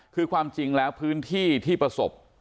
คือความจริงแล้วพื้นที่ที่ประสบ